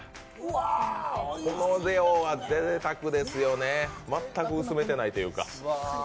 この量はぜいたくですよね、全く薄めてないというか。